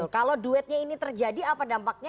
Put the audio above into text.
kalau duetnya ini terjadi apa dampaknya